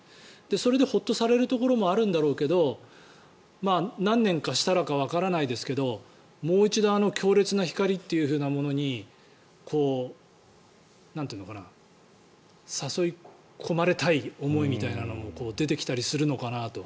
それでホッとされるところもあるんだろうけど何年かしたらかわからないですけどもう一度あの強烈な光というものに誘い込まれたい思いみたいなのも出てきたりするのかなと。